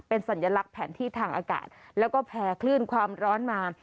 เป็นสัญลักษณ์แผนที่ทางอากาศแล้วก็แผ่คลื่นความร้อนมา